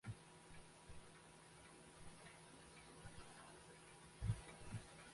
De oplieding duorret trije jier, ôfstudearren kinne yn it sirkus oan it wurk.